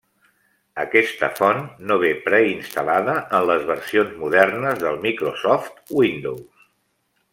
Aquesta font no ve preinstal·lada en les versions modernes del Microsoft Windows.